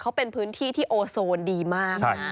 เขาเป็นพื้นที่ที่โอโซนดีมากนะ